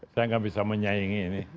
saya nggak bisa menyaingi ini